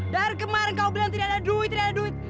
dar kemarin kau bilang tidak ada duit tidak ada duit